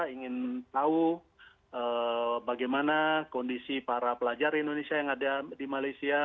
ingin tahu bagaimana kondisi para pelajar indonesia yang ada di malaysia